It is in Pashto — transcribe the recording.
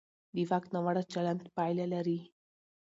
د واک ناوړه چلند پایله لري